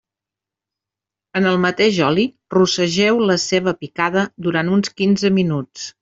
En el mateix oli, rossegeu la ceba picada, durant uns quinze minuts.